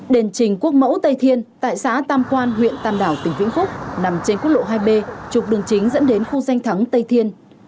đền trình quốc mẫu tây thiên tại xã tam quan huyện tam đảo tỉnh vĩnh phúc nằm trên quốc lộ hai b trục đường chính dẫn đến khu danh thắng tây thiên